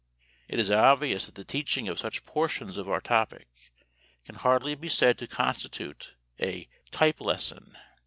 It is obvious that the teaching of such portions of our topic can hardly be said to constitute a "type lesson."